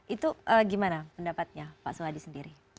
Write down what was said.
itu gimana pendapatnya pak suhadi sendiri